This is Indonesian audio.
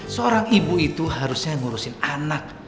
seorang ibu itu harusnya ngurusin anak